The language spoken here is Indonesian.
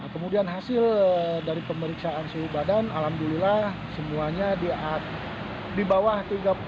kemudian hasil dari pemeriksaan suhu badan alhamdulillah semuanya di bawah tiga puluh